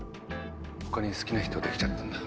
他に好きな人できちゃったんだ。